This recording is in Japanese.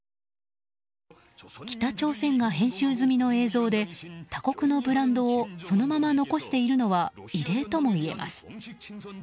北朝鮮が編集済みの映像で他国のブランドをそのまま残しているのは異例ともいえます。